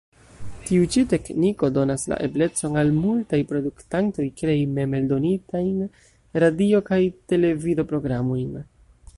Tiu ĉi tekniko donas la eblecon al multaj produktantoj krei mem-eldonitajn radio- kaj televido-programojn.